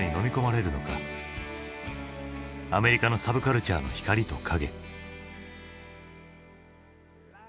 アメリカのサブカルチャーの光と影。